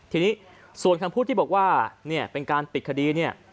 ทีนี้ส่วนคำพูดที่บอกว่าเป็นการปิดคดี